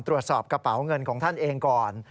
ตรวจสอบกระเป๋าเงินของท่านเองก่อน